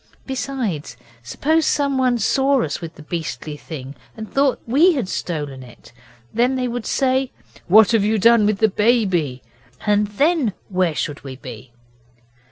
Besides, suppose someone saw us with the beastly thing, and thought we had stolen it; then they would say, "What have you done with the Baby?" and then where should we be?